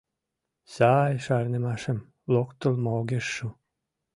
Сай шарнымашым локтылмо огеш шу.